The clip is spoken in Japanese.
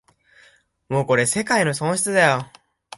もうこれ世界の損失だよ